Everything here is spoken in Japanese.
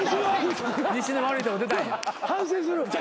反省する。